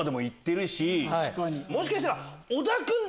もしかしたら。